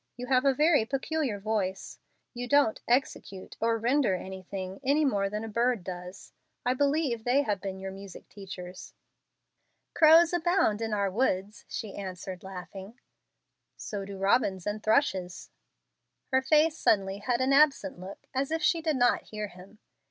You have a very peculiar voice. You don't 'execute' or 'render' anything, any more than a bird does. I believe they have been your music teachers." "Crows abound in our woods," she answered, laughing. "So do robins and thrushes." Her face suddenly had an absent look as if she did not hear him.